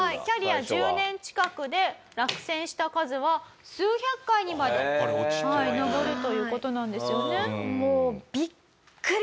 キャリア１０年近くで落選した数は数百回にまで上るという事なんですよね。